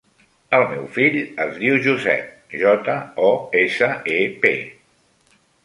El meu fill es diu Josep: jota, o, essa, e, pe.